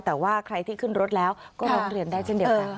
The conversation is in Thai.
แต่ว่าใครที่ขึ้นรถแล้วก็ร้องเรียนได้เช่นเดียวกัน